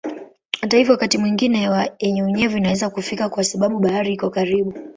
Hata hivyo wakati mwingine hewa yenye unyevu inaweza kufika kwa sababu bahari iko karibu.